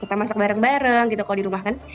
kita masak bareng bareng gitu kalau di rumah kan